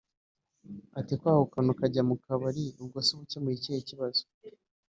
Ati ‘‘Kwahukana ukajya mu kabari ubwo se uba ukemuye ikihe kibazo